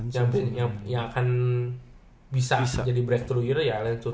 yang akan bisa jadi breakthrough year ya lansun